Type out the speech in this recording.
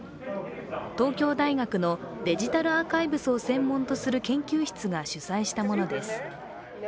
東京大学のデジタルアーカイブスを専門とする研究室が主催したものです。